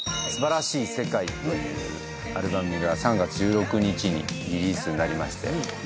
『素晴らしい世界』というアルバムが３月１６日にリリースになりまして。